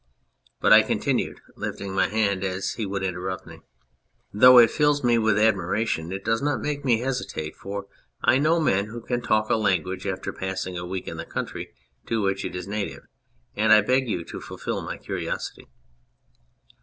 But," I continued, lifting my hand as he would interrupt me, " though it fills me with admiration it does not make me hesitate, for I know men who can talk a language after passing a week in the country to which it is native, and I beg you to fulfil my curiosity."